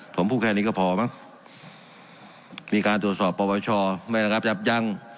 ผมพูดแค่นี้ก็พอมั้งมีการตรวจสอบปวชไม่ระงับยับยั้ง